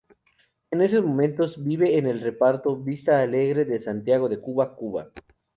En estos momentos vive en el Reparto Vista Alegre de Santiago de Cuba, Cuba.